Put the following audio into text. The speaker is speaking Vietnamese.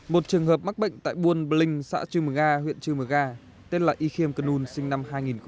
một trường hợp mắc bệnh tại buôn bình xã chư mường a huyện chư mường a tên là y khiêm cân un sinh năm hai nghìn một mươi sáu